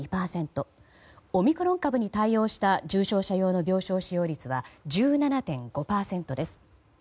オミクロン株に対応した重症者用の病床使用率は１７．５％です。